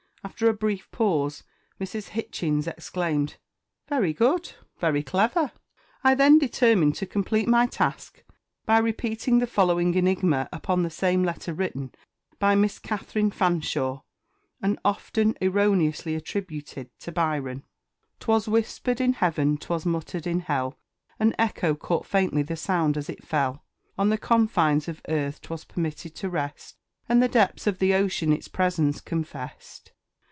After a brief pause, Mrs. Hitchings exclaimed, "Very good; very clever." I then determined to complete my task by repeating the following enigma upon the same letter written by Miss Catherine Fanshawe and often erroneously attributed to Byron: 'Twas whispered in heaven, 'twas muttered in hell, And echo caught faintly the sound as it fell; On the confines of earth 'twas permitted to rest, And the depths of the ocean its presence confessed.